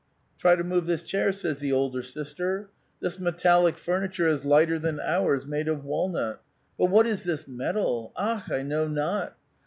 " Try to move this chair," says the elder sister. *' This metallic furniture is lighter than onrs made of walnut. But what is this metal? Akhl I know now.